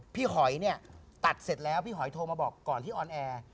หอยเนี่ยตัดเสร็จแล้วพี่หอยโทรมาบอกก่อนที่ออนแอร์